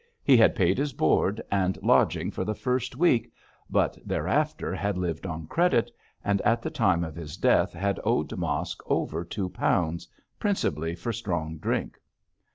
He had paid his board and lodging for the first week, but thereafter had lived on credit, and at the time of his death had owed Mosk over two pounds, principally for strong drink.